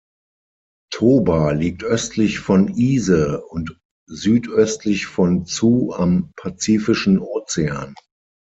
Toba liegt östlich von Ise und südöstlich von Tsu am Pazifischen Ozean.